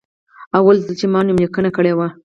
اول ځل چې ما نوملیکنه کړې وه.